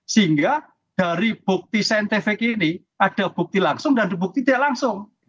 sehingga dari bukti saintifik ini ada bukti langsung dan bukti tidak langsung